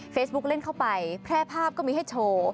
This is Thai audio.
เล่นเข้าไปแพร่ภาพก็มีให้โชว์